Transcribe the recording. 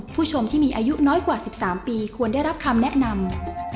ผู้ชมที่มีอายุน้อยกว่า๑๓ปีควรได้รับคำแนะนำ